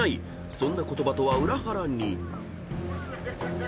そんな言葉とは裏腹に］